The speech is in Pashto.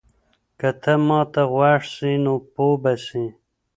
که ته ما ته غوږ سې نو پوه به سې.